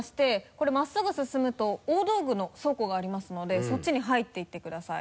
これ真っすぐ進むと大道具の倉庫がありますのでそっちに入っていってください。